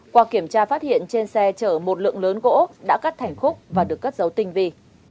qua kiểm tra phát hiện trên xe chở một lượng lớn gỗ đã cắt thành khúc và được cất dấu tinh vi